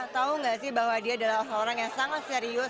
tau gak sih bahwa dia adalah seorang yang sangat serius